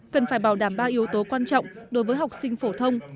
cần phải bảo đảm ba yếu tố quan trọng đối với học sinh phổ thông